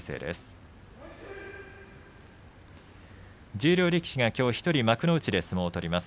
十両力士がきょう１人幕内で相撲を取ります。